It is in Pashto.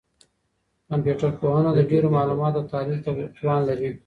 کمپيوټر پوهنه د ډېرو معلوماتو د تحلیل توان لري.